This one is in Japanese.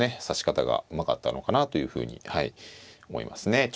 指し方がうまかったのかなというふうに思いますね。